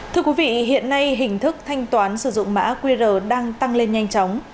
thưa quý vị hiện nay hình thức thanh toán sử dụng mã qr đang tăng lên nhanh chóng